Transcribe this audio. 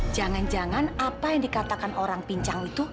jangan jangan apa yang dikatakan orang pincang itu